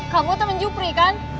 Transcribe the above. kamu temen jupri kan